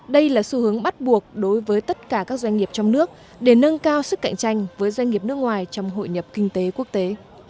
đây là xu hướng bắt buộc đối với tất cả các doanh nghiệp trong nước để nâng cao sức cạnh tranh với doanh nghiệp nước ngoài trong hội nhập kinh tế quốc tế